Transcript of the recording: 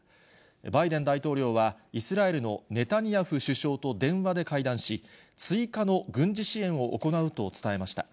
バイデン大統領は、イスラエルのネタニヤフ首相と電話で会談し、追加で軍事支援を行うと伝えました。